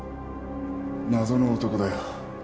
謎の男だよ